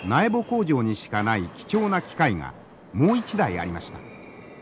工場にしかない貴重な機械がもう一台ありました。